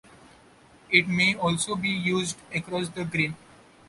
It may also be used across the grain.